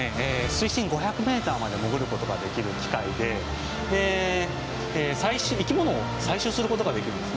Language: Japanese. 水深５００ｍまで潜ることができる機械で生き物を採取することができるんですね。